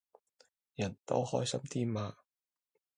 人多開心啲嘛